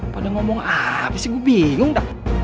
pada ngomong ah apa sih gue bingung dah